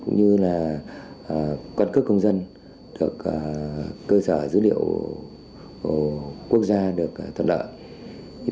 như là cân cước công dân cơ sở dữ liệu của quốc gia được thuận lợi